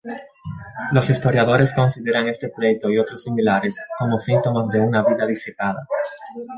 Los historiadores consideran este pleito y otros similares como síntomas de una vida disipada.